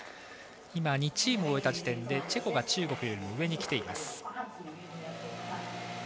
２チーム終えた時点でチェコが中国よりも上にきています。